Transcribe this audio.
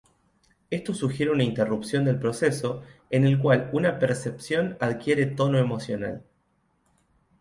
Esto sugiere una interrupción del proceso en el cual una percepción adquiere tono emocional.